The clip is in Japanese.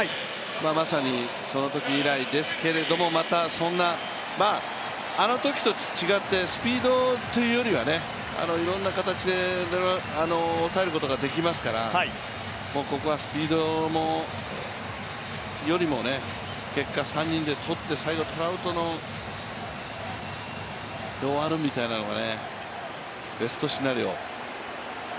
まさにそのとき以来ですけどまたそんな、あのときと違って、スピードというよりはいろんな形で抑えることができますからもうここはスピードよりも結果、３人でとって最後、トラウトで終わるみたいなのがベストシナリオ。